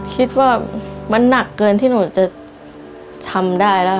คิดว่ามันหนักเกินที่หนูจะทำได้แล้ว